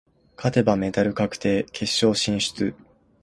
勝てばメダル確定、決勝進出。